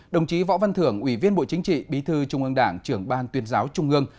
đồng chí võ văn thưởng ủy viên bộ chính trị bí thư trung ương đảng trưởng ban tuyên giáo trung ương